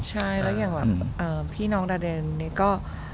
ใช่แล้วอย่างแบบพี่น้องดาเดนนี่ก็